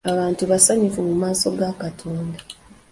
Abantu basanyufu mu maaso ga Katonda.